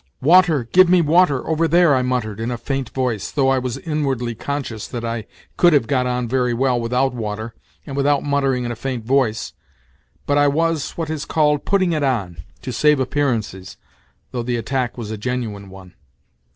" Water, give me water, over there I " I muttered in a faint, voice, though I was inwardly conscious that I could have got on very well without water and without muttering in a faint voice, But I was, what is called, putting it on, to save appearances, though the attack was a genuine one.